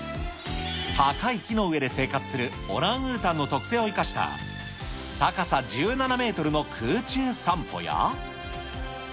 高い木の上で生活するオランウータンの特性を生かした、高さ１７メートルの空中散歩や。